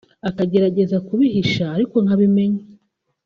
akagerageza kubihisha ariko nkabimenya